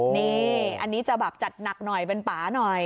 นี่อันนี้จะแบบจัดหนักหน่อยเป็นป่าหน่อย